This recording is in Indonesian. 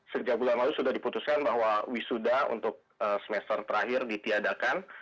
sejak bulan lalu sudah diputuskan bahwa wisuda untuk semester terakhir ditiadakan